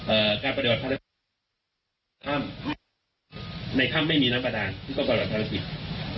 เอ่อการปฏิบัติในถ้ำไม่มีน้ำประดานนี่ก็เป็นปฏิบัติธรรมกิจ